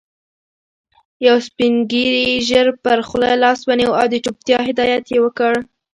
يو سپين ږيري ژر پر خوله لاس ونيو او د چوپتيا هدایت يې وکړ.